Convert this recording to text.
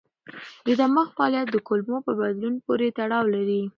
د دماغ فعالیت د کولمو په بدلون پورې تړاو لري.